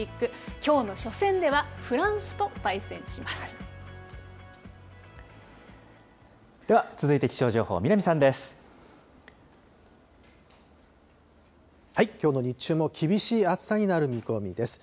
きょうの初戦では、フでは続いて気象情報、南さんきょうの日中も厳しい暑さになる見込みです。